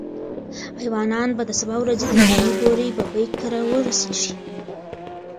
ایوانان به د سبا ورځې تر غرمې پورې ببۍ کره ورسېږي.